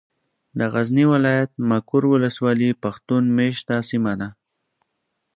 د غزني ولايت ، مقر ولسوالي پښتون مېشته سيمه ده.